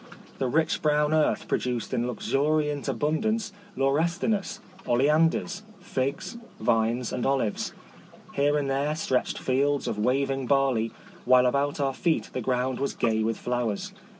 The rich brown earth produced in luxuriant abundance laurestinus, oleanders, figs, vines, and olives. Here and there stretched fields of waving barley, while about our feet the ground was gay with flowers.